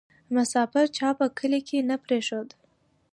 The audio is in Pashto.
ـ مسافر چا په کلي کې نه پرېښود